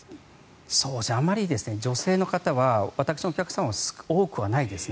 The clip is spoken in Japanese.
あまり女性の方は私のお客様には多くはないですね。